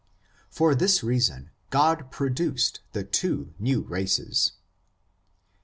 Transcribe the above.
For this reason, Grod produced the two new races.